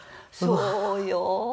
そうよ。